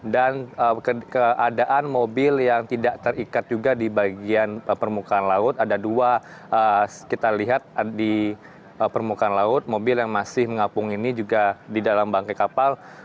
dan keadaan mobil yang tidak terikat juga di bagian permukaan laut ada dua kita lihat di permukaan laut mobil yang masih mengapung ini juga di dalam bangkai kapal